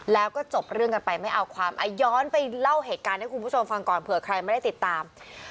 แล้วก็จบเรื่องกันไปไม่เอาความย้อนไปเล่าเหตุการณ์ให้คุณผู้ชมฟังก่อนเผื่อใครไม่ได้ติดตาม